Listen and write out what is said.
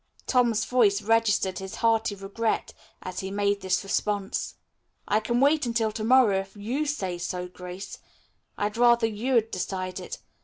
Tom's voice registered his hearty regret as he made this response. "I can wait until to morrow if you say so, Grace. I'd rather you'd decide it.